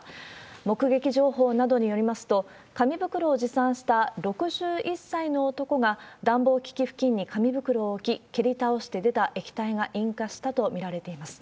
目撃情報などによりますと、紙袋を持参した６１歳の男が、暖房機器付近に紙袋を置き、蹴り倒して出た液体が引火したと見られています。